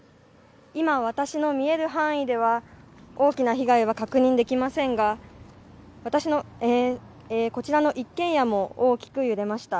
今、私の見える範囲では大きな被害は確認できませんがこちらの一軒家も大きく揺れました。